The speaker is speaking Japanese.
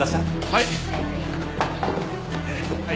はい。